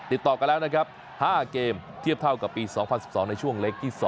ติดต่อกันแล้วนะครับ๕เกมเทียบเท่ากับปี๒๐๑๒ในช่วงเล็กที่๒